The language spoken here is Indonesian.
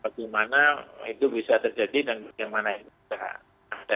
bagaimana itu bisa terjadi dan bagaimana itu tidak ada